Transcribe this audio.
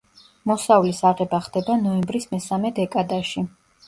მოსავლის აღება ხდება ნოემბრის მესამე დეკადაში.